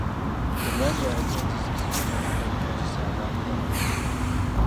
Ennyanja yali enzise sigenda kuddamu kugisaabalirako